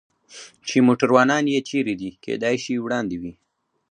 چې موټروانان یې چېرې دي؟ کېدای شي وړاندې وي.